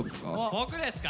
僕ですか。